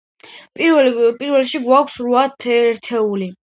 პირველში გვაქვს რვა ერთეული.